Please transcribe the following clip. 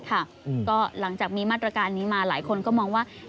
ก็หลังจากมีมาตรการนี้มาหลายคนก็มองว่า